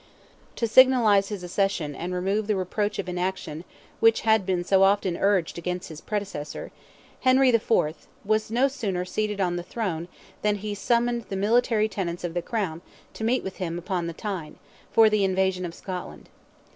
To signalize his accession and remove the reproach of inaction which had been so often urged against his predecessor, Henry IV, was no sooner seated on the throne than he summoned the military tenants of the Crown to meet him in arms upon the Tyne, for the invasion of Scotland.